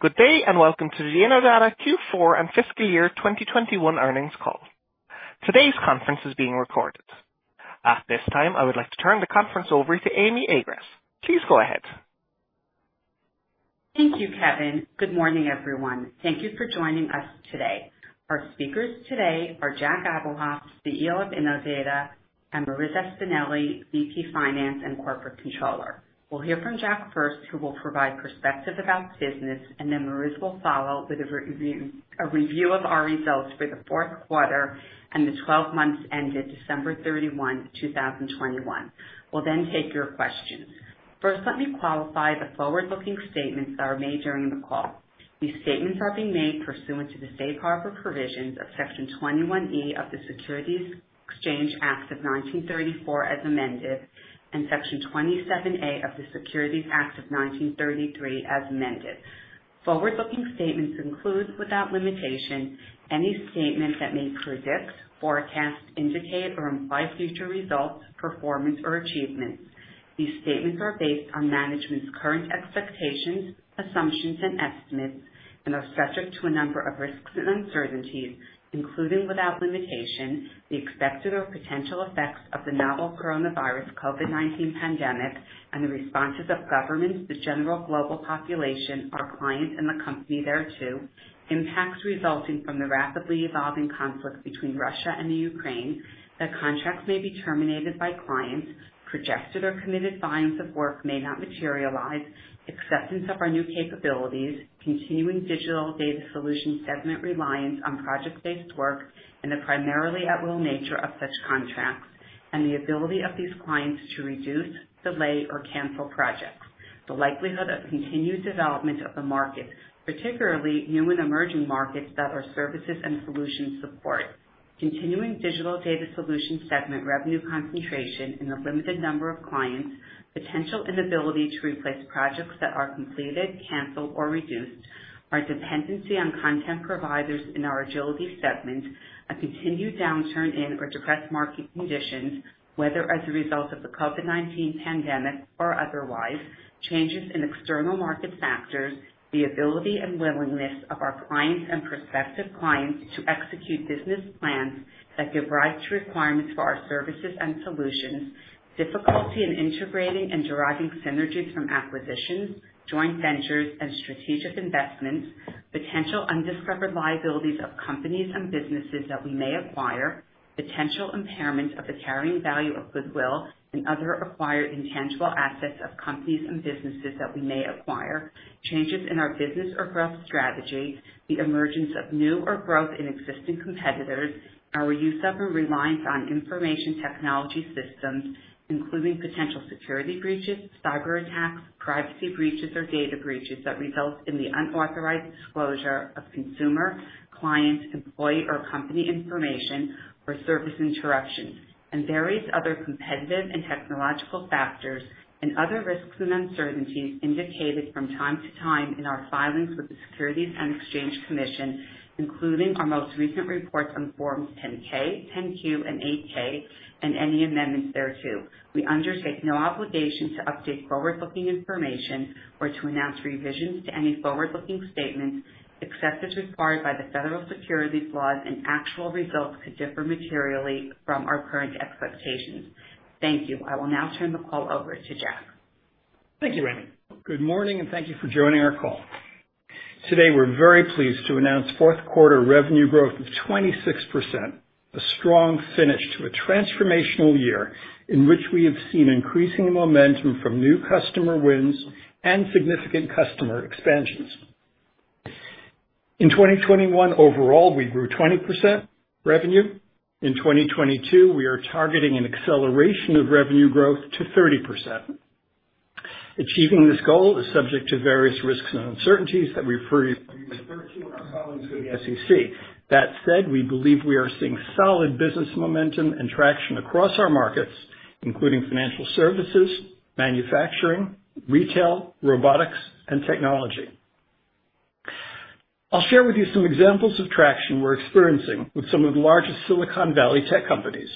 Good day, and welcome to the Innodata Q4 and fiscal year 2021 earnings call. Today's conference is being recorded. At this time, I would like to turn the conference over to Amy Agress. Please go ahead. Thank you, Kevin. Good morning, everyone. Thank you for joining us today. Our speakers today are Jack Abuhoff, CEO of Innodata, and Marissa Espineli, VP Finance and Corporate Controller. We'll hear from Jack first, who will provide perspective about the business, and then Marissa will follow with a review of our results for the fourth quarter and the twelve months ended December 31, 2021. We'll then take your questions. First, let me qualify the forward-looking statements that are made during the call. These statements are being made pursuant to the Safe Harbor provisions of Section 21E of the Securities Exchange Act of 1934 as amended, and Section 27A of the Securities Act of 1933 as amended. Forward-looking statements include, without limitation, any statement that may predict, forecast, indicate, or imply future results, performance, or achievements. These statements are based on management's current expectations, assumptions, and estimates and are subject to a number of risks and uncertainties, including, without limitation, the expected or potential effects of the novel coronavirus COVID-19 pandemic and the responses of governments, the general global population, our clients, and the company thereto. Impacts resulting from the rapidly evolving conflict between Russia and the Ukraine, that contracts may be terminated by clients, projected or committed volumes of work may not materialize, acceptance of our new capabilities, continuing Digital Data Solutions segment reliance on project-based work. And the primarily at-will nature of such contracts and the ability of these clients to reduce, delay, or cancel projects, the likelihood of continued development of the market, particularly new and emerging markets that our services and solutions support, continuing Digital Data Solutions segment revenue concentration in a limited number of clients. Potential inability to replace projects that are completed, canceled, or reduced. Our dependency on content providers in our Agility segment. A continued downturn in or depressed market conditions, whether as a result of the COVID-19 pandemic or otherwise. Changes in external market factors. The ability and willingness of our clients and prospective clients to execute business plans that give rise to requirements for our services and solutions. Difficulty in integrating and deriving synergies from acquisitions, joint ventures, and strategic investments. Potential undiscovered liabilities of companies and businesses that we may acquire. Potential impairment of the carrying value of goodwill and other acquired intangible assets of companies and businesses that we may acquire. Changes in our business or growth strategy. The emergence of new or growth in existing competitors. Our use of and reliance on information technology systems, including potential security breaches, cyber attacks, privacy breaches or data breaches that result in the unauthorized disclosure of consumer, client, employee, or company information or service interruptions. Various other competitive and technological factors, and other risks and uncertainties indicated from time to time in our filings with the Securities and Exchange Commission, including our most recent reports on Forms 10-K, 10-Q, and 8-K and any amendments thereto. We undertake no obligation to update forward-looking information or to announce revisions to any forward-looking statements, except as required by the federal securities laws, and actual results could differ materially from our current expectations. Thank you. I will now turn the call over to Jack. Thank you, Amy. Good morning, and thank you for joining our call. Today, we're very pleased to announce fourth quarter revenue growth of 26%, a strong finish to a transformational year in which we have seen increasing momentum from new customer wins and significant customer expansions. In 2021, overall, we grew 20% revenue. In 2022, we are targeting an acceleration of revenue growth to 30%. Achieving this goal is subject to various risks and uncertainties that we refer you to our filings with the SEC. That said, we believe we are seeing solid business momentum and traction across our markets, including financial services, manufacturing, retail, robotics, and technology. I'll share with you some examples of traction we're experiencing with some of the largest Silicon Valley tech companies.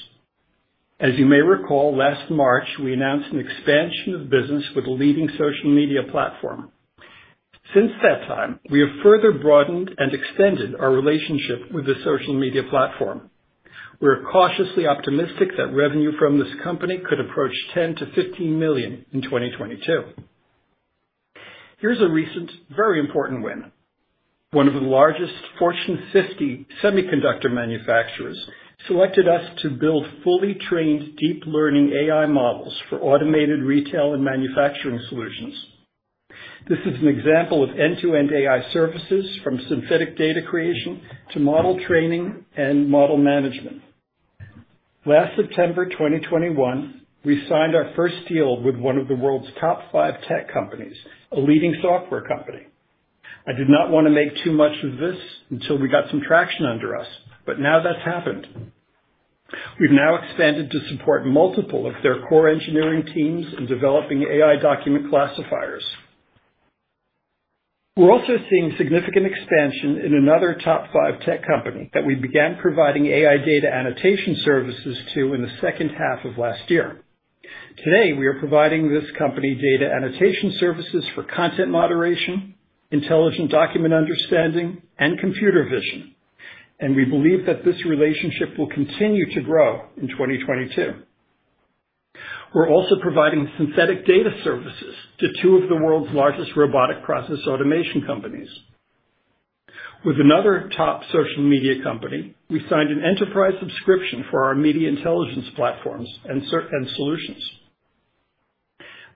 As you may recall, last March, we announced an expansion of business with a leading social media platform. Since that time, we have further broadened and extended our relationship with the social media platform. We're cautiously optimistic that revenue from this company could approach $10 million-$15 million in 2022. Here's a recent very important win. One of the largest Fortune 50 semiconductor manufacturers selected us to build fully trained deep learning AI models for automated retail and manufacturing solutions. This is an example of end-to-end AI services from synthetic data creation to model training and model management. Last September 2021, we signed our first deal with one of the world's top five tech companies, a leading software company. I did not wanna make too much of this until we got some traction under us, but now that's happened. We've now expanded to support multiple of their core engineering teams in developing AI document classifiers. We're also seeing significant expansion in another top five tech company that we began providing AI data annotation services to in the second half of last year. Today, we are providing this company data annotation services for content moderation, intelligent document understanding, and computer vision. We believe that this relationship will continue to grow in 2022. We're also providing synthetic data services to two of the world's largest robotic process automation companies. With another top social media company, we signed an enterprise subscription for our media intelligence platforms and solutions.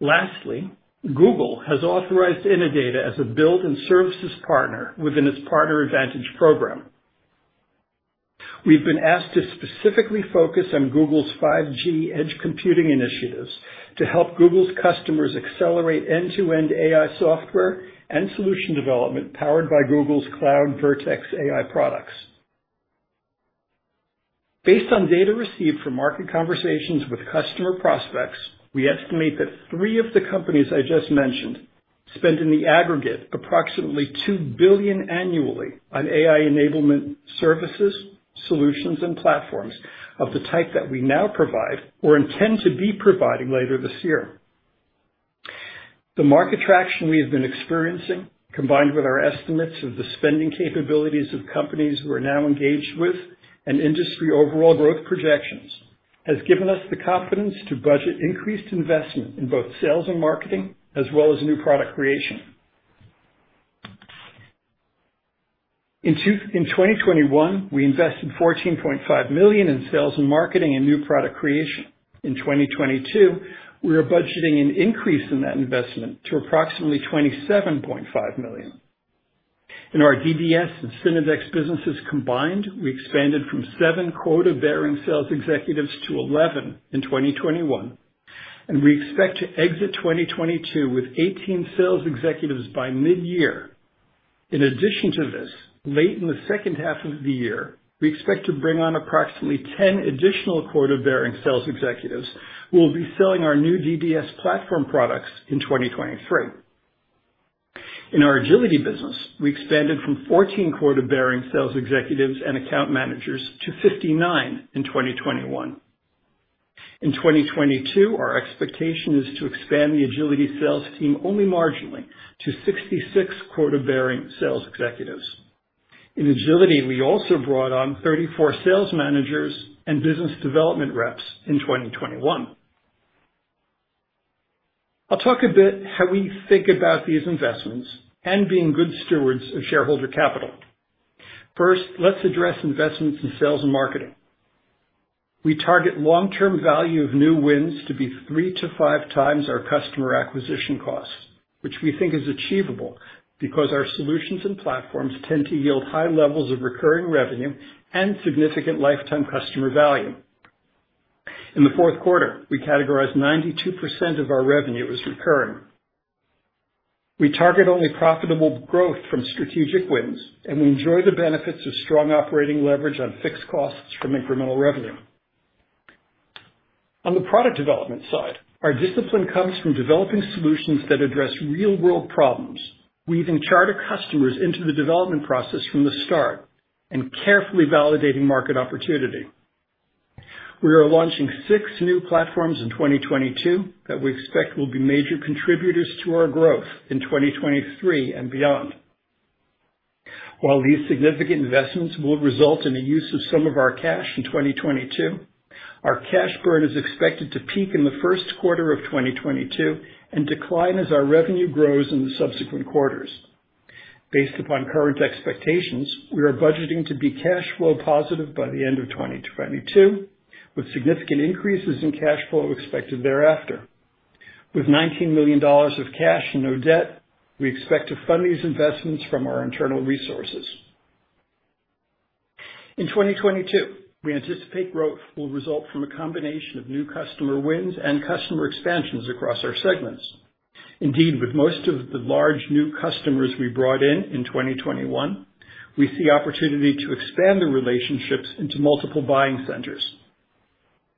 Lastly, Google has authorized Innodata as a build and services partner within its Partner Advantage program. We've been asked to specifically focus on Google's 5G edge computing initiatives to help Google's customers accelerate end-to-end AI software and solution development powered by Google Cloud's Vertex AI products. Based on data received from market conversations with customer prospects, we estimate that three of the companies I just mentioned spend in the aggregate approximately $2 billion annually on AI enablement services, solutions, and platforms of the type that we now provide or intend to be providing later this year. The market traction we have been experiencing, combined with our estimates of the spending capabilities of companies we're now engaged with, and industry overall growth projections, has given us the confidence to budget increased investment in both sales and marketing, as well as new product creation. In 2021, we invested $14.5 million in sales and marketing and new product creation. In 2022, we are budgeting an increase in that investment to approximately $27.5 million. In our DBS and Synodex businesses combined, we expanded from seven quota-bearing sales executives to 11 in 2021, and we expect to exit 2022 with 18 sales executives by mid-year. In addition to this, late in the second half of the year, we expect to bring on approximately 10 additional quota-bearing sales executives who will be selling our new DBS platform products in 2023. In our Agility business, we expanded from 14 quota-bearing sales executives and account managers to 59 in 2021. In 2022, our expectation is to expand the Agility sales team only marginally to 66 quota-bearing sales executives. In Agility, we also brought on 34 sales managers and business development reps in 2021. I'll talk a bit how we think about these investments and being good stewards of shareholder capital. First, let's address investments in sales and marketing. We target long-term value of new wins to be 3-5 times our customer acquisition costs, which we think is achievable because our solutions and platforms tend to yield high levels of recurring revenue and significant lifetime customer value. In the fourth quarter, we categorized 92% of our revenue as recurring. We target only profitable growth from strategic wins, and we enjoy the benefits of strong operating leverage on fixed costs from incremental revenue. On the product development side, our discipline comes from developing solutions that address real-world problems. We even charter customers into the development process from the start and carefully validating market opportunity. We are launching 6 new platforms in 2022 that we expect will be major contributors to our growth in 2023 and beyond. While these significant investments will result in the use of some of our cash in 2022, our cash burn is expected to peak in the first quarter of 2022 and decline as our revenue grows in the subsequent quarters. Based upon current expectations, we are budgeting to be cash flow positive by the end of 2022, with significant increases in cash flow expected thereafter. With $19 million of cash and no debt, we expect to fund these investments from our internal resources. In 2022, we anticipate growth will result from a combination of new customer wins and customer expansions across our segments. Indeed, with most of the large new customers we brought in in 2021, we see opportunity to expand the relationships into multiple buying centers.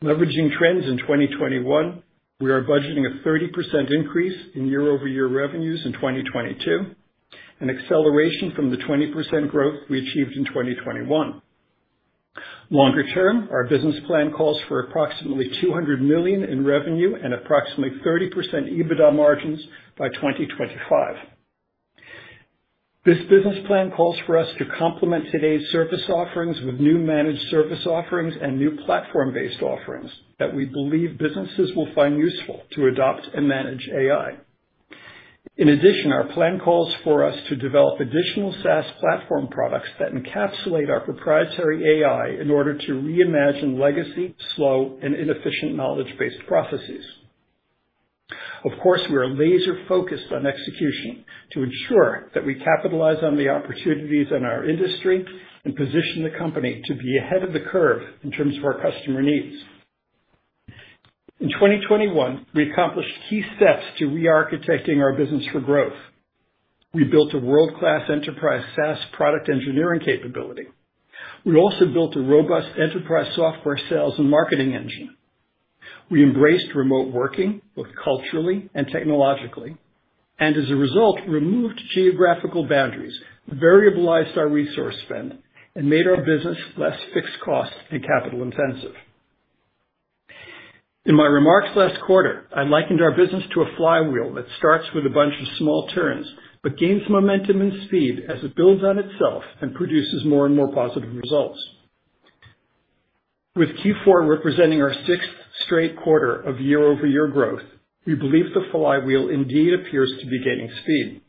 Leveraging trends in 2021, we are budgeting a 30% increase in year-over-year revenues in 2022, an acceleration from the 20% growth we achieved in 2021. Longer term, our business plan calls for approximately $200 million in revenue and approximately 30% EBITDA margins by 2025. This business plan calls for us to complement today's service offerings with new managed service offerings and new platform-based offerings that we believe businesses will find useful to adopt and manage AI. In addition, our plan calls for us to develop additional SaaS platform products that encapsulate our proprietary AI in order to reimagine legacy, slow, and inefficient knowledge-based processes. Of course, we are laser-focused on execution to ensure that we capitalize on the opportunities in our industry and position the company to be ahead of the curve in terms of our customer needs. In 2021, we accomplished key steps to re-architecting our business for growth. We built a world-class enterprise SaaS product engineering capability. We also built a robust enterprise software sales and marketing engine. We embraced remote working, both culturally and technologically. As a result, we removed geographical boundaries, variabilized our resource spend, and made our business less fixed cost and capital intensive. In my remarks last quarter, I likened our business to a flywheel that starts with a bunch of small turns, but gains momentum and speed as it builds on itself and produces more and more positive results. With Q4 representing our sixth straight quarter of year-over-year growth, we believe the flywheel indeed appears to be gaining speed.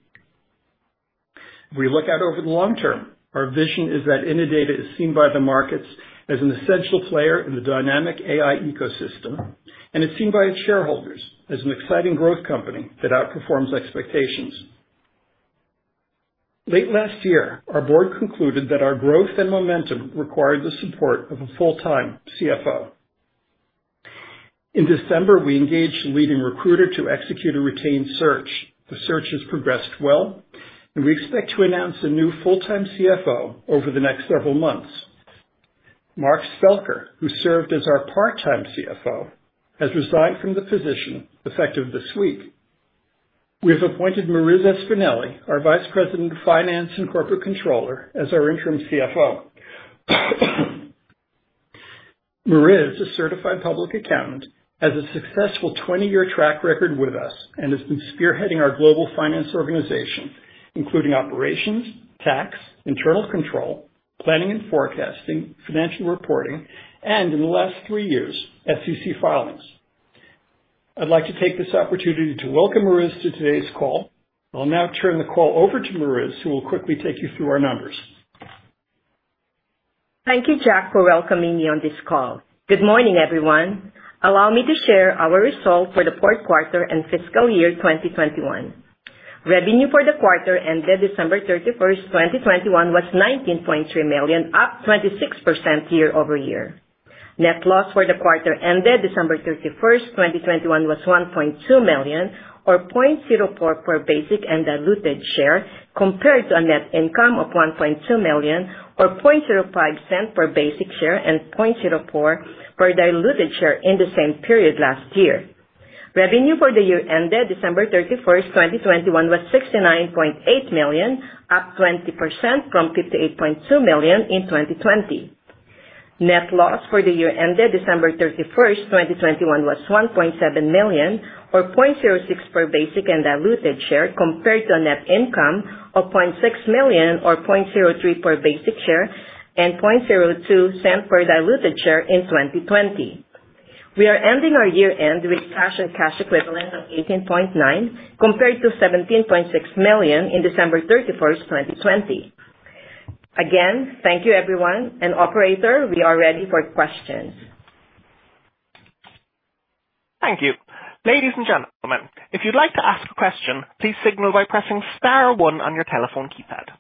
If we look out over the long term, our vision is that Innodata is seen by the markets as an essential player in the dynamic AI ecosystem, and it's seen by its shareholders as an exciting growth company that outperforms expectations. Late last year, our board concluded that our growth and momentum required the support of a full-time CFO. In December, we engaged a leading recruiter to execute a retained search. The search has progressed well, and we expect to announce a new full-time CFO over the next several months. Mark Spelker, who served as our part-time CFO, has resigned from the position effective this week. We have appointed Marissa Espineli, our Vice President of Finance and Corporate Controller, as our interim CFO. Marissa, a certified public accountant, has a successful 20-year track record with us and has been spearheading our global finance organization, including operations, tax, internal control, planning and forecasting, financial reporting, and in the last 3 years, SEC filings. I'd like to take this opportunity to welcome Marissa to today's call. I'll now turn the call over to Marissa, who will quickly take you through our numbers. Thank you, Jack, for welcoming me on this call. Good morning, everyone. Allow me to share our results for the fourth quarter and fiscal year 2021. Revenue for the quarter ended December 31, 2021 was $19.3 million, up 26% year-over-year. Net loss for the quarter ended December 31, 2021 was $1.2 million or $0.04 per basic and diluted share, compared to a net income of $1.2 million or $0.05 cents per basic share and $0.04 cents per diluted share in the same period last year. Revenue for the year ended December 31, 2021 was $69.8 million, up 20% from $58.2 million in 2020. Net loss for the year ended December 31, 2021 was $1.7 million or $0.06 per basic and diluted share, compared to a net income of $0.6 million or $0.03 per basic share and $0.02 per diluted share in 2020. We are ending our year-end with cash and cash equivalents of $18.9 million, compared to $17.6 million in December 31, 2020. Again, thank you everyone. Operator, we are ready for questions. Thank you. Ladies and gentlemen, if you'd like to ask a question, please signal by pressing star one on your telephone keypad.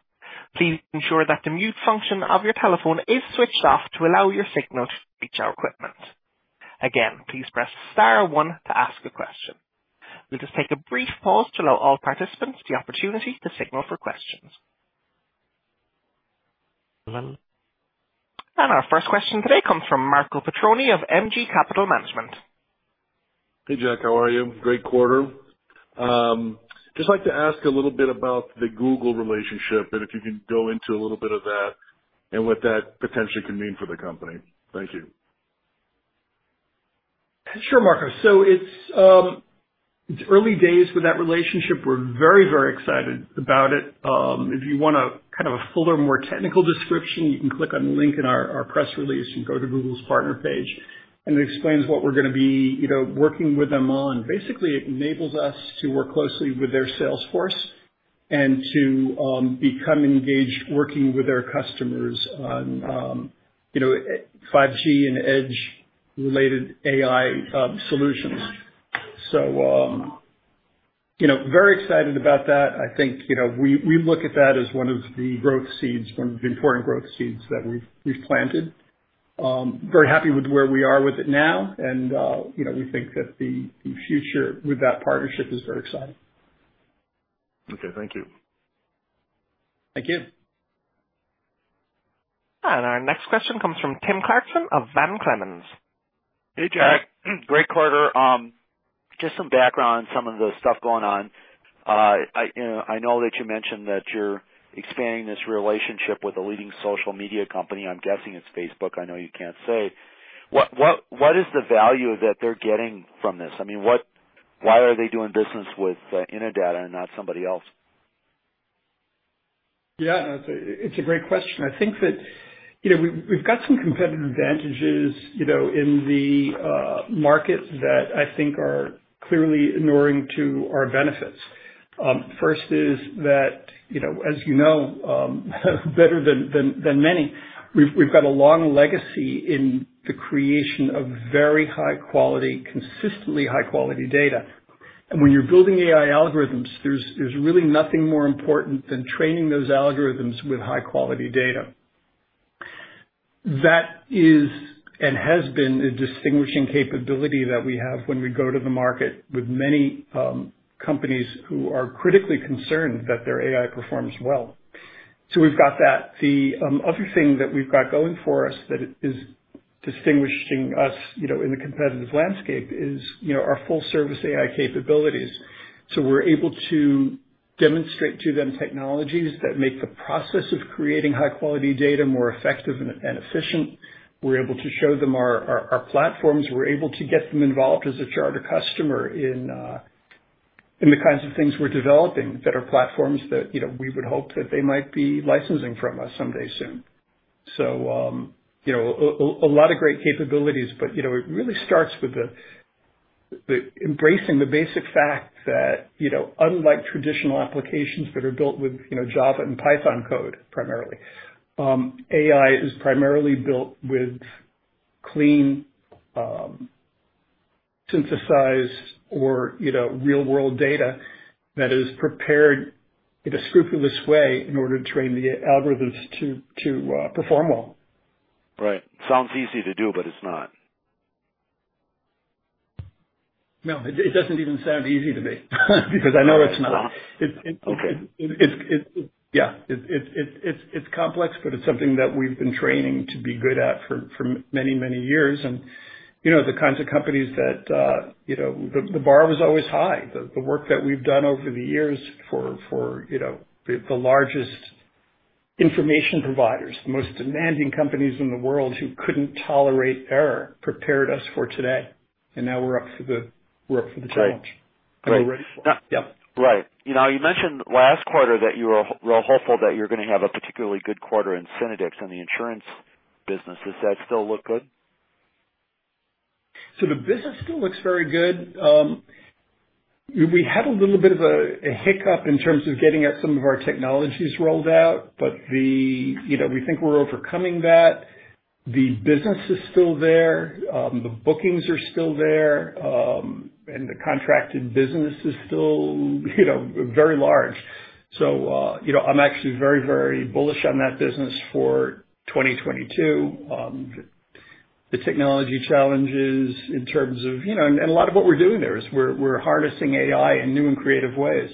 Please ensure that the mute function of your telephone is switched off to allow your signal to reach our equipment. Again, please press star one to ask a question. We'll just take a brief pause to allow all participants the opportunity to signal for questions. Our first question today comes from Marco Petroni of MG Capital Management. Hey, Jack, how are you? Great quarter. Just like to ask a little bit about the Google relationship and if you can go into a little bit of that and what that potentially can mean for the company? Thank you. Sure, Marco. It's early days with that relationship. We're very, very excited about it. If you want a kind of a fuller, more technical description, you can click on the link in our press release and go to Google's partner page, and it explains what we're gonna be working with them on. Basically, it enables us to work closely with their sales force and to become engaged working with their customers on 5G and Edge-related AI solutions. Very excited about that. I think we look at that as one of the growth seeds, one of the important growth seeds that we've planted. Very happy with where we are with it now. We think that the future with that partnership is very exciting. Okay. Thank you. Thank you. Our next question comes from Tim Clarkson of Van Clemens. Hey, Jack. Great quarter. Just some background on some of the stuff going on. I know that you mentioned that you're expanding this relationship with a leading social media company. I'm guessing it's Facebook. I know you can't say. What is the value that they're getting from this? I mean, why are they doing business with Innodata and not somebody else? Yeah, no, it's a great question. I think that we've got some competitive advantages in the market that I think are clearly inuring to our benefits. First is that as you know, better than many, we've got a long legacy in the creation of very high quality, consistently high quality data. When you're building AI algorithms, there's really nothing more important than training those algorithms with high quality data. That is and has been a distinguishing capability that we have when we go to the market with many companies who are critically concerned that their AI performs well. So we've got that. The other thing that we've got going for us that is distinguishing us in the competitive landscape is our full service AI capabilities. We're able to demonstrate to them technologies that make the process of creating high-quality data more effective and efficient. We're able to show them our platforms. We're able to get them involved as a charter customer in the kinds of things we're developing that are platforms that we would hope that they might be licensing from us someday soon. You know, a lot of great capabilities, but it really starts with the embracing the basic fact that, you know, unlike traditional applications that are built with Java and Python code, primarily, AI is primarily built with clean, synthesized or, you know, real-world data that is prepared in a scrupulous way in order to train the algorithms to perform well. Right. Sounds easy to do, but it's not. No, it doesn't even sound easy to me because I know it's not. Okay. Yeah. It's complex, but it's something that we've been training to be good at for many years. You know, the kinds of companies that, you know, the bar was always high. The work that we've done over the years for, you know, the largest information providers, the most demanding companies in the world who couldn't tolerate error, prepared us for today, and now we're up for the challenge. Right. We're ready for it. Yep. Right. Now, you mentioned last quarter that you were hopeful that you're gonna have a particularly good quarter in Synodex on the insurance business. Does that still look good? The business still looks very good. We had a little bit of a hiccup in terms of getting some of our technologies rolled out, but you know, we think we're overcoming that. The business is still there. The bookings are still there, and the contracted business is still, you know, very large. You know, I'm actually very, very bullish on that business for 2022. The technology challenges in terms of you know, and a lot of what we're doing there is we're harnessing AI in new and creative ways.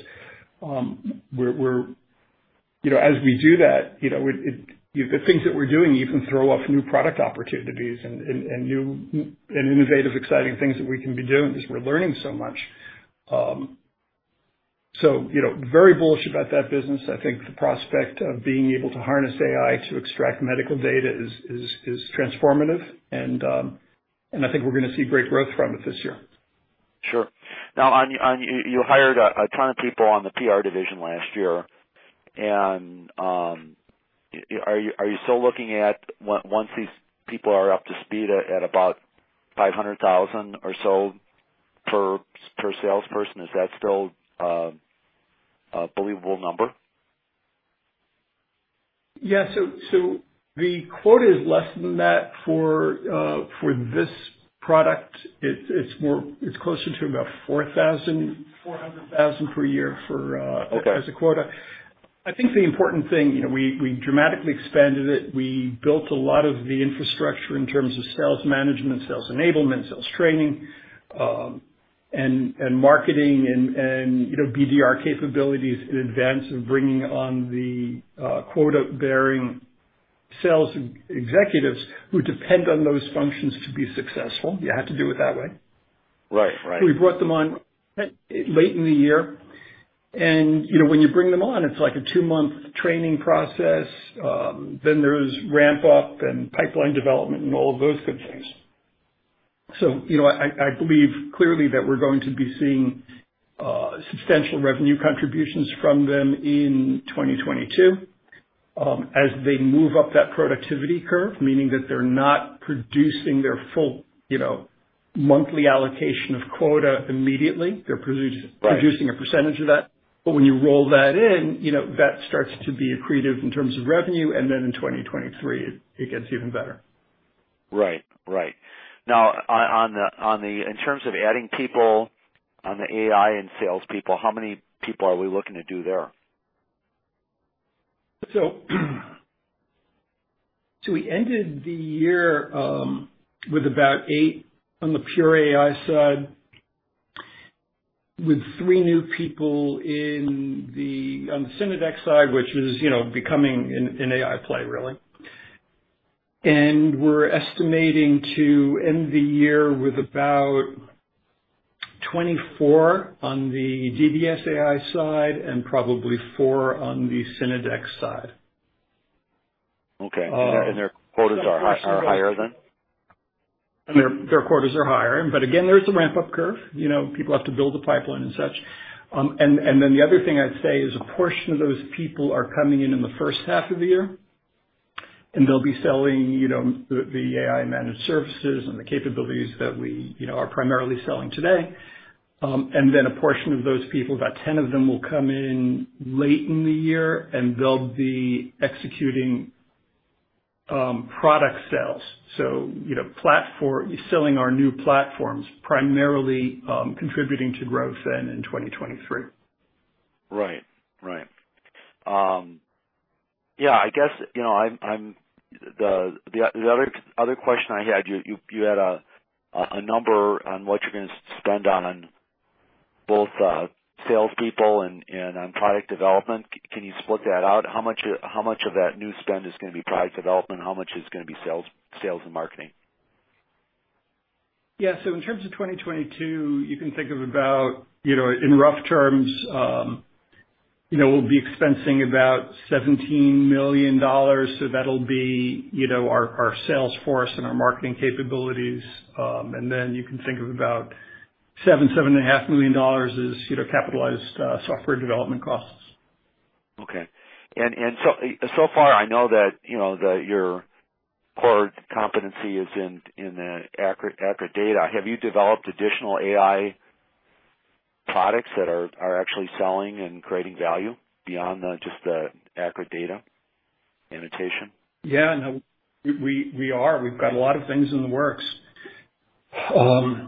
You know, as we do that, you know, it, the things that we're doing even throw off new product opportunities and new and innovative exciting things that we can be doing as we're learning so much. You know, very bullish about that business. I think the prospect of being able to harness AI to extract medical data is transformative and I think we're gonna see great growth from it this year. Sure. Now you hired a ton of people on the Agility segment last year, and are you still looking at once these people are up to speed at about 500,000 or so per salesperson? Is that still a believable number? Yeah. The quota is less than that for this product. It's closer to about $4.4 million per year. Okay. as a quota. I think the important thing, you know, we dramatically expanded it. We built a lot of the infrastructure in terms of sales management, sales enablement, sales training, and you know, BDR capabilities in advance of bringing on the quota-bearing sales executives who depend on those functions to be successful. You have to do it that way. Right. Right. We brought them on late in the year. You know, when you bring them on, it's like a two-month training process. Then there's ramp up and pipeline development and all of those good things. You know, I believe clearly that we're going to be seeing substantial revenue contributions from them in 2022, as they move up that productivity curve, meaning that they're not producing their full, you know, monthly allocation of quota immediately. Right. Producing a percentage of that. When you roll that in, you know, that starts to be accretive in terms of revenue, and then in 2023 it gets even better. Right. Now in terms of adding people on the AI and salespeople, how many people are we looking to do there? We ended the year with about eight on the pure AI side, with three new people on the Synodex side, which is, you know, becoming an AI play really. We're estimating to end the year with about 24 on the DBS AI side and probably four on the Synodex side. Okay. Um. Their quotas are higher than? Their quotas are higher, but again, there's a ramp-up curve. You know, people have to build a pipeline and such. And then the other thing I'd say is a portion of those people are coming in in the first half of the year, and they'll be selling, you know, the AI managed services and the capabilities that we, you know, are primarily selling today. And then a portion of those people, about 10 of them, will come in late in the year, and they'll be executing product sales. You know, selling our new platforms, primarily, contributing to growth then in 2023. Right. Yeah, I guess, you know, the other question I had, you had a number on what you're gonna spend on both salespeople and on product development. Can you split that out? How much of that new spend is gonna be product development? How much is gonna be sales and marketing? Yeah. In terms of 2022, you can think of about, you know, in rough terms, we'll be expensing about $17 million. That'll be, you know, our sales force and our marketing capabilities. You can think of about $7.5 million is, you know, capitalized software development costs. Okay. So far I know that, you know, your core competency is in the accurate data. Have you developed additional AI products that are actually selling and creating value beyond just the accurate data annotation? Yeah, no, we are. We've got a lot of things in the works.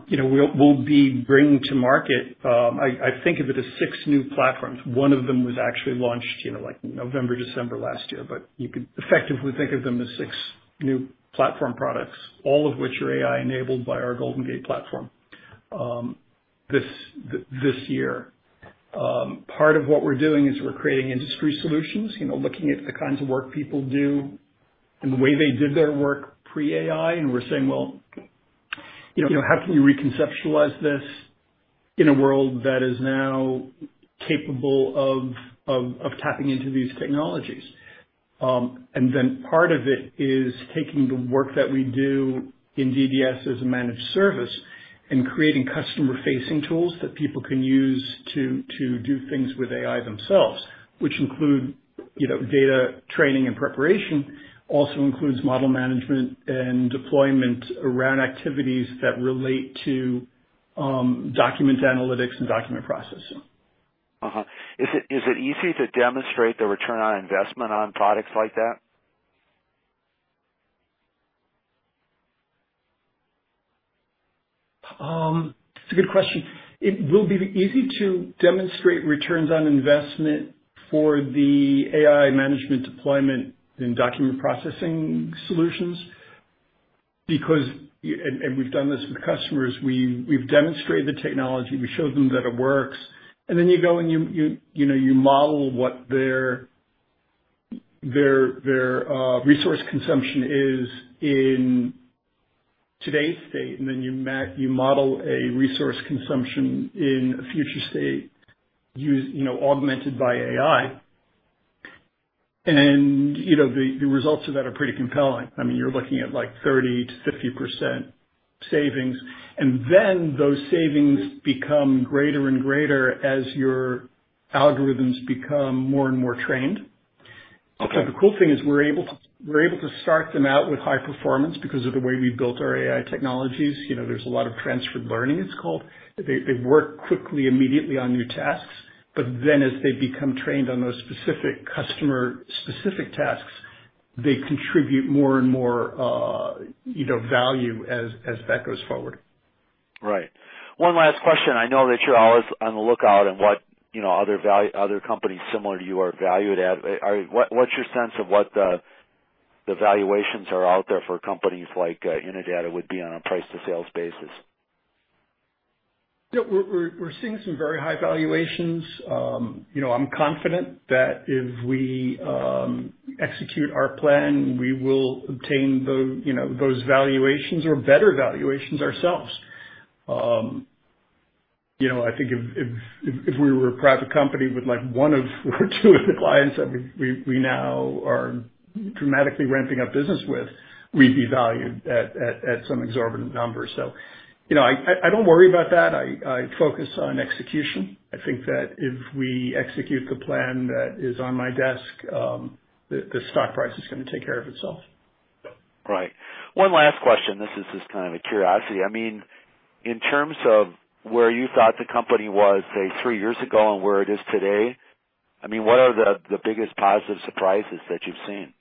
You know, we'll be bringing to market. I think of it as 6 new platforms. One of them was actually launched, you know, like November, December last year, but you can effectively think of them as six new platform products, all of which are AI enabled by our GoldenGate platform, this year. Part of what we're doing is we're creating industry solutions. You know, looking at the kinds of work people do and the way they did their work pre-AI, and we're saying, "Well, you know, how can we reconceptualize this in a world that is now capable of tapping into these technologies?" Part of it is taking the work that we do in DDS as a managed service and creating customer-facing tools that people can use to do things with AI themselves, which include, you know, data training and preparation. Also includes model management and deployment around activities that relate to document analytics and document processing. Is it easy to demonstrate the return on investment on products like that? It's a good question. It will be easy to demonstrate returns on investment for the AI management deployment and document processing solutions because we've done this with customers. We've demonstrated the technology. We show them that it works. Then you go and you know, you model what their resource consumption is in today's state, and then you model a resource consumption in a future state, you know, augmented by AI. You know, the results of that are pretty compelling. I mean, you're looking at like 30%-50% savings, and then those savings become greater and greater as your algorithms become more and more trained. Okay. The cool thing is we're able to start them out with high performance because of the way we've built our AI technologies. You know, there's a lot of transfer learning, it's called. They work quickly, immediately on new tasks, but then as they become trained on those specific customer-specific tasks, they contribute more and more, you know, value as that goes forward. Right. One last question. I know that you're always on the lookout for what, you know, other companies similar to you are valued at. What, what's your sense of what the valuations are out there for companies like Innodata would be on a price to sales basis? We're seeing some very high valuations. You know, I'm confident that if we execute our plan, we will obtain those valuations or better valuations ourselves. You know, I think if we were a private company with like one or two of the clients that we now are dramatically ramping up business with, we'd be valued at some exorbitant number. You know, I don't worry about that. I focus on execution. I think that if we execute the plan that is on my desk, the stock price is gonna take care of itself. Right. One last question. This is just kind of a curiosity. I mean, in terms of where you thought the company was, say, three years ago and where it is today, I mean, what are the biggest positive surprises that you've seen?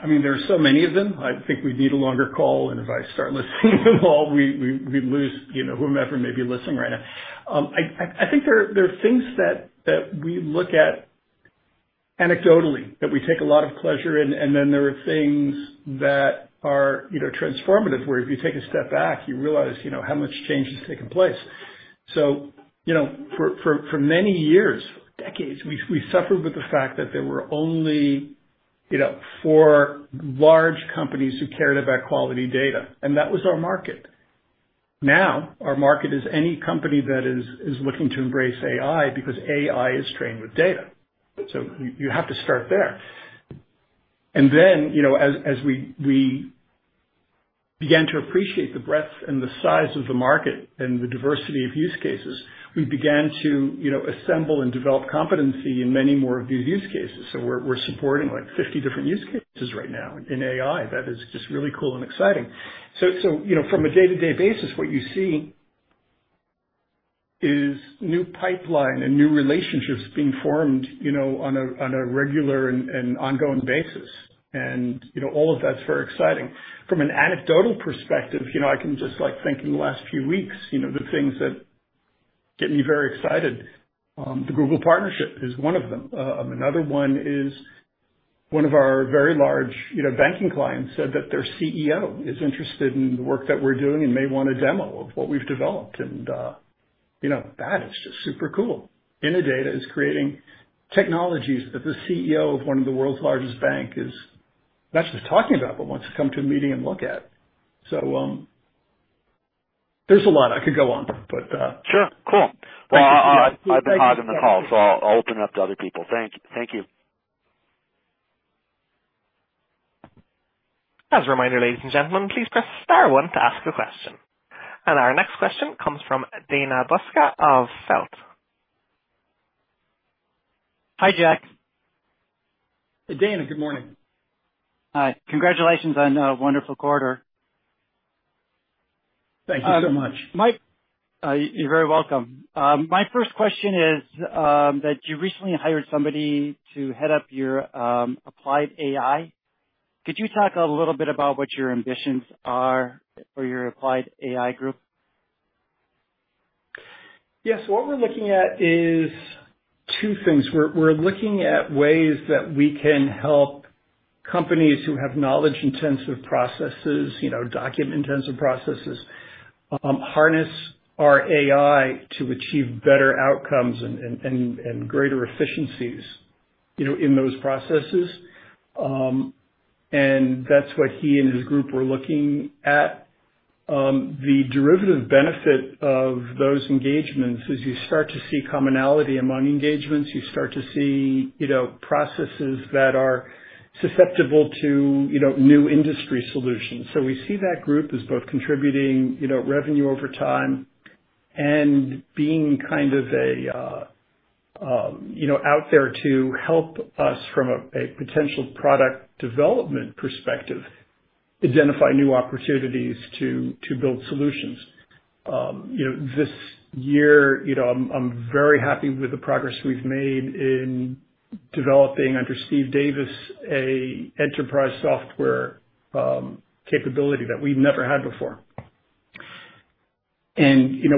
I mean, there are so many of them. I think we'd need a longer call, and if I start listing them all, we'd lose, you know, whomever may be listening right now. I think there are things that we look at anecdotally that we take a lot of pleasure in, and then there are things that are, you know, transformative, where if you take a step back, you realize, you know, how much change has taken place. You know, for many years, decades, we suffered with the fact that there were only, you know, four large companies who cared about quality data, and that was our market. Now, our market is any company that is looking to embrace AI, because AI is trained with data, so you have to start there. You know, as we began to appreciate the breadth and the size of the market and the diversity of use cases, we began to, you know, assemble and develop competency in many more of these use cases. We're supporting like 50 different use cases right now in AI. That is just really cool and exciting. So, you know, from a day-to-day basis, what you see is new pipeline and new relationships being formed, you know, on a regular and ongoing basis. You know, all of that's very exciting. From an anecdotal perspective, you know, I can just like think in the last few weeks, you know, the things that get me very excited. The Google partnership is one of them. Another one is one of our very large, you know, banking clients said that their CEO is interested in the work that we're doing and may want a demo of what we've developed. You know, that is just super cool. Innodata is creating technologies that the CEO of one of the world's largest bank is not just talking about, but wants to come to a meeting and look at. There's a lot. I could go on, but. Sure. Cool. Thank you. Well, I've been hogging the call, so I'll open it up to other people. Thank you. As a reminder, ladies and gentlemen, please press star one to ask a question. Our next question comes from Dana Buska of Feltl. Hi, Jack. Hey, Dana. Good morning. Hi. Congratulations on a wonderful quarter. Thank you so much. You're very welcome. My first question is that you recently hired somebody to head up your applied AI. Could you talk a little bit about what your ambitions are for your applied AI group? Yes. What we're looking at is two things. We're looking at ways that we can help companies who have knowledge-intensive processes, you know, document-intensive processes, harness our AI to achieve better outcomes and greater efficiencies, you know, in those processes. And that's what he and his group were looking at. The derivative benefit of those engagements is you start to see commonality among engagements. You start to see, you know, processes that are susceptible to, you know, new industry solutions. We see that group as both contributing, you know, revenue over time and being kind of a you know, out there to help us from a potential product development perspective, identify new opportunities to build solutions. You know, this year, I'm very happy with the progress we've made in developing under Steven Davis an enterprise software capability that we've never had before.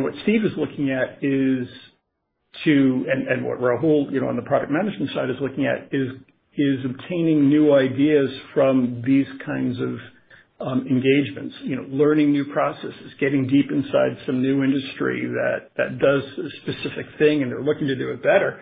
What Steve is looking at is. What Rahul, you know, on the product management side is looking at is obtaining new ideas from these kinds of engagements. Learning new processes, getting deep inside some new industry that does a specific thing and are looking to do it better.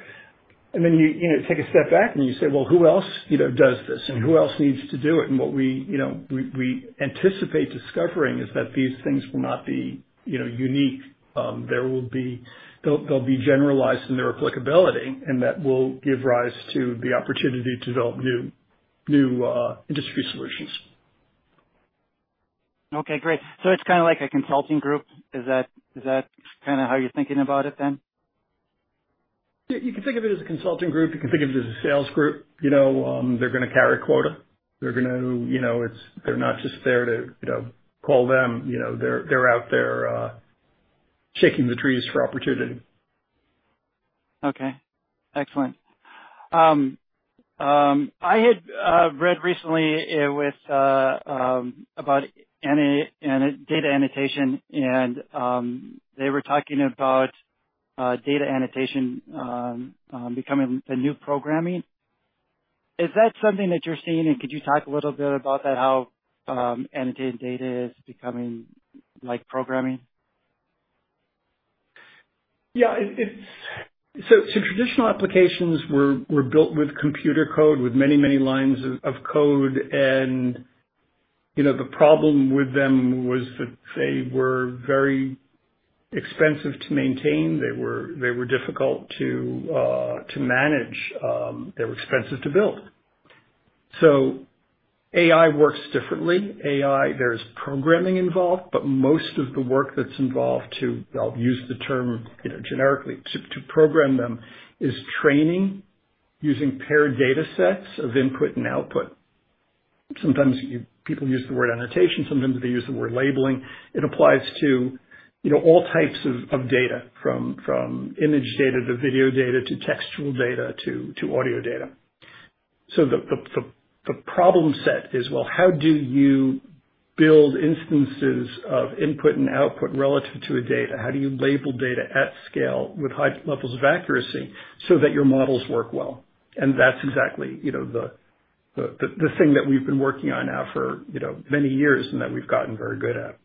Then you know, take a step back and you say, "Well, who else, you know, does this? And who else needs to do it?" What we, you know, we anticipate discovering is that these things will not be, you know, unique. They'll be generalized in their applicability, and that will give rise to the opportunity to develop new industry solutions. Okay. Great. It's kinda like a consulting group. Is that kinda how you're thinking about it then? You can think of it as a consulting group. You can think of it as a sales group. You know, they're gonna carry quota. They're gonna, you know. They're not just there to, you know, call them. You know, they're out there, shaking the trees for opportunity. Okay. Excellent. I had read recently about Innodata data annotation, and they were talking about data annotation becoming a new programming. Is that something that you're seeing? Could you talk a little bit about that, how annotated data is becoming like programming? Yeah. Traditional applications were built with computer code, with many lines of code. You know, the problem with them was that they were very expensive to maintain. They were difficult to manage. They were expensive to build. AI works differently. AI, there's programming involved, but most of the work that's involved to, I'll use the term, you know, generically, to program them, is training using paired data sets of input and output. Sometimes people use the word annotation, sometimes they use the word labeling. It applies to, you know, all types of data, from image data to video data to textual data to audio data. The problem set is, well, how do you build instances of input and output relative to a data? How do you label data at scale with high levels of accuracy so that your models work well? That's exactly, you know, the thing that we've been working on now for, you know, many years and that we've gotten very good at.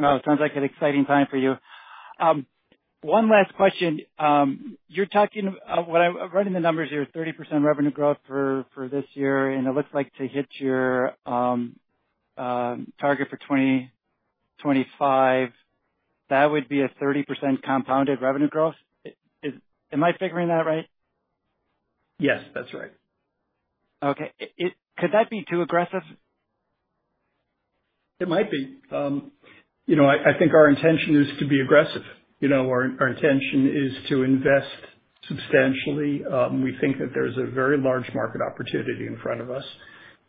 Well, it sounds like an exciting time for you. One last question. You're talking, reading the numbers here, 30% revenue growth for this year, and it looks like to hit your target for 2025, that would be a 30% compounded revenue growth. Am I figuring that right? Yes, that's right. Okay. Could that be too aggressive? It might be. You know, I think our intention is to be aggressive. You know, our intention is to invest substantially. We think that there's a very large market opportunity in front of us.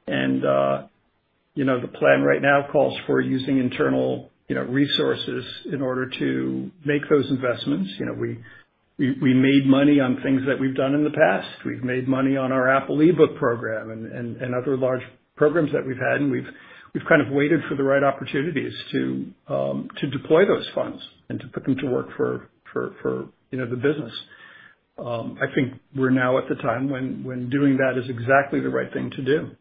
You know, the plan right now calls for using internal, you know, resources in order to make those investments. We made money on things that we've done in the past. We've made money on our Apple e-book program and other large programs that we've had, and we've kind of waited for the right opportunities to deploy those funds and to put them to work for you know the business. I think we're now at the time when doing that is exactly the right thing to do.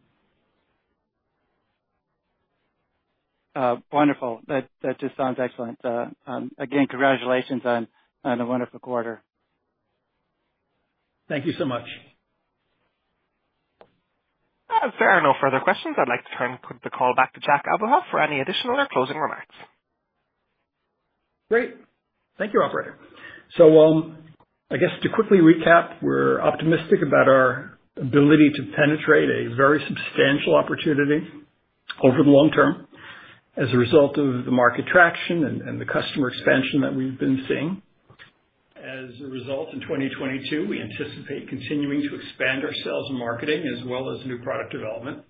Wonderful. That just sounds excellent. Again, congratulations on a wonderful quarter. Thank you so much. If there are no further questions, I'd like to put the call back to Jack Abuhoff for any additional or closing remarks. Great. Thank you, operator. I guess to quickly recap, we're optimistic about our ability to penetrate a very substantial opportunity over the long term as a result of the market traction and the customer expansion that we've been seeing. As a result, in 2022, we anticipate continuing to expand our sales and marketing as well as new product development.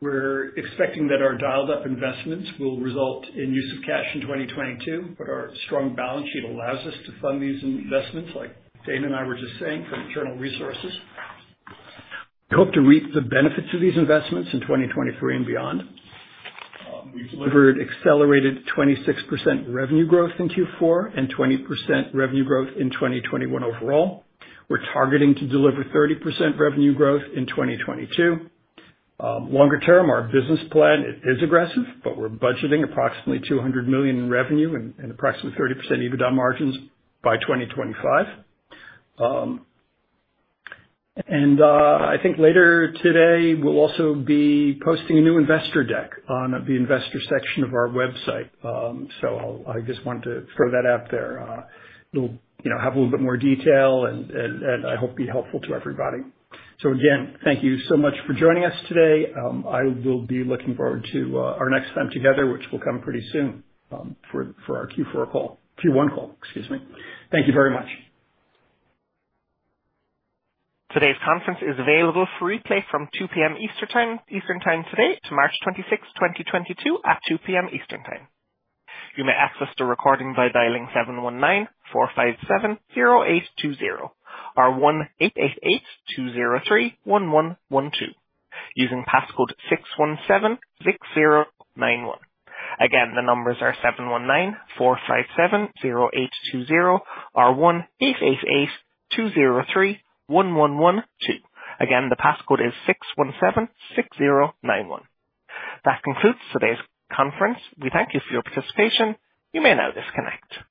We're expecting that our dialed up investments will result in use of cash in 2022, but our strong balance sheet allows us to fund these investments, like Dane and I were just saying, from internal resources. We hope to reap the benefits of these investments in 2023 and beyond. We've delivered accelerated 26% revenue growth in Q4 and 20% revenue growth in 2021 overall. We're targeting to deliver 30% revenue growth in 2022. Longer term, our business plan is aggressive, but we're budgeting approximately $200 million in revenue and approximately 30% EBITDA margins by 2025. I think later today we'll also be posting a new investor deck on the investor section of our website. I just want to throw that out there. It'll, you know, have a little bit more detail and I hope be helpful to everybody. Again, thank you so much for joining us today. I will be looking forward to our next time together, which will come pretty soon, for our Q1 call, excuse me. Thank you very much. Today's conference is available for replay from 2 P.M. Eastern Time today to March 26, 2022 at 2 P.M. Eastern Time. You may access the recording by dialing 719-457-0820 or 1-888-203-1112 using passcode 6176091. Again, the numbers are 719-457-0820 or 1-888-203-1112. Again, the passcode is 6176091. That concludes today's conference. We thank you for your participation. You may now disconnect.